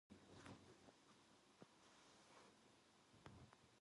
누구나 자기를 보면 밭 떼인 것을 조소하는 듯하여 그만 얼굴이 뜨뜻해지곤 하였던 것이다.